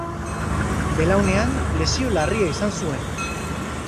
Belaunean lesio larria izan zuen.